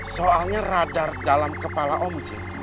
soalnya radar dalam kepala om jin